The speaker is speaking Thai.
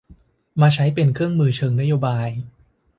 มาใช้เป็นเครื่องมือเชิงนโยบาย